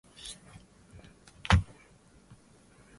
upendeleo wa tume ya uchaguzi ya Zimbabwe